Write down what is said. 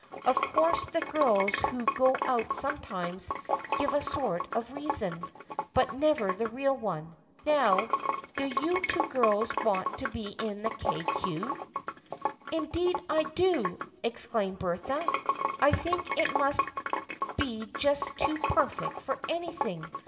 Of course the girls who go out sometimes give a sort of a reason, but never the real one. Now, do you two girls want to be in the Kay Cue ?"" Indeed I do !" exclaimed Bertha. " I think it must be just too perfect for anything.